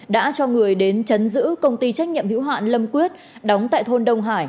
đã cho người đến chấn giữ công ty trách nhiệm hữu hạn lâm quyết đóng tại thôn đông hải